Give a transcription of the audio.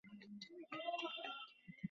একটা মরা মানুষকে ভয় পেতে বলছো আমাকে।